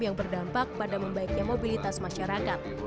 yang berdampak pada membaiknya mobilitas masyarakat